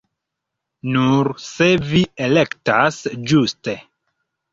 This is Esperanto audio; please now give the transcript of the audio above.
Nur se vi elektas ĝuste.